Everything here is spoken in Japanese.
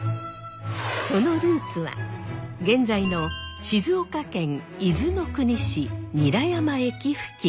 そのルーツは現在の静岡県伊豆の国市韮山駅付近。